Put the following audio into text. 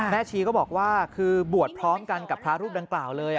ชีก็บอกว่าคือบวชพร้อมกันกับพระรูปดังกล่าวเลย